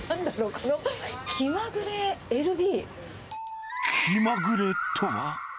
このきま気まぐれとは？